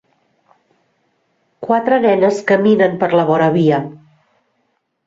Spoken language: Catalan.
Quatre nenes caminen per la voravia.